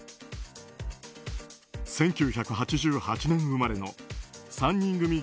１９８８年生まれの３人組